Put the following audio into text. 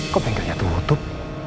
kok bengkelnya tutup